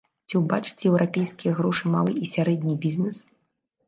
Ці ўбачыць еўрапейскія грошы малы і сярэдні бізнэс?